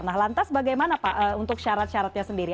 nah lantas bagaimana pak untuk syarat syaratnya sendiri